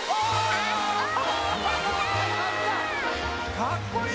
かっこいい！